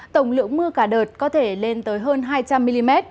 tổng lượng mưa cả đợt có thể lên tới hơn hai trăm linh mm